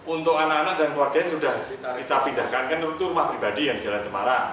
untuk anak anak dan keluarganya sudah kita pindahkan kan untuk rumah pribadi yang di jalan cemara